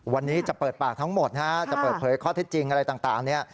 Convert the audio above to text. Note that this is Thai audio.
วันนี้จะเปิดปากทั้งหมดจะเปิดเผยข้อที่จริงอะไรต่าง